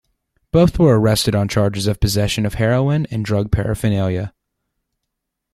Both were arrested on charges of possession of heroin and drug paraphernalia.